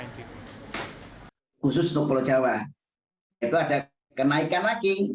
khusus untuk pulau jawa itu ada kenaikan lagi